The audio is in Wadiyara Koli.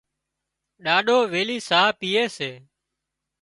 ڏاڏو ويلِي ساهَه پيئي سي